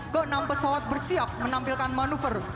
ke enam pesawat bersiap menampilkan manuver